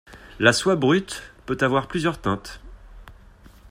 La soie brute peut avoir plusieurs teintes.